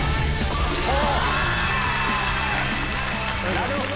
なるほど！